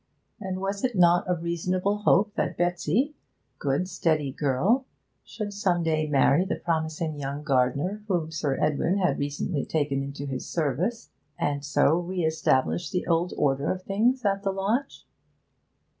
And was it not a reasonable hope that Betsy, good steady girl, should some day marry the promising young gardener whom Sir Edwin had recently taken into his service, and so re establish the old order of things at the lodge?